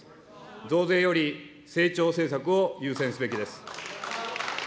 増税より成長政策を優先すべきです。